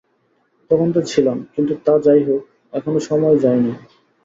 তখন তো ছিলাম, কিন্তু তা যাই হোক, এখনো সময় যায় নাই।